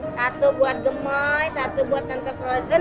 satu buat gemoy satu buat tante frozen